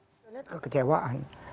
saya melihat kekecewaan